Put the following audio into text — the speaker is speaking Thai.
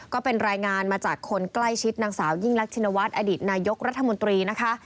ก็เป็นรายงานมาจากคนใกล้ชิดนางสาวยิ่งรักชินวัฒน์อดีตนายกรัฐมนตรีนะคะ